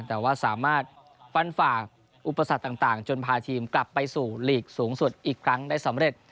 แต่ว่าสามารถฟันฝากอุปสรรคต่างจนพาทีมกลับไปสู่ลีกสูงสุดอีกครั้งได้สำเร็จ